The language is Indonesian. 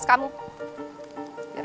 kamu yang beli